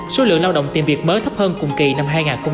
số lượng lao động tìm việc mới thấp hơn cùng kỳ năm hai nghìn hai mươi ba